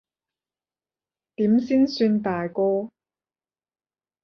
點先算大個？